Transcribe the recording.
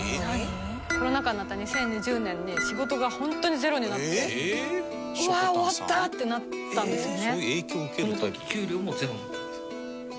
コロナ禍になった２０２０年に仕事が本当にゼロになってうわー終わった！ってなったんですよね。